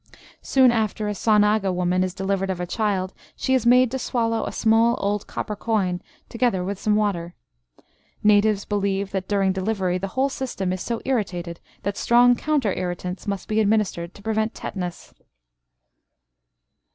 Soon after a Sonaga woman is delivered of a child, she is made to swallow a small old copper coin together with some water. Natives believe that, during delivery, the whole system is so irritated that strong counter irritants must be administered to prevent tetanus."